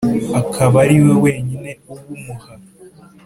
akaba ariwe wenyine ubumuha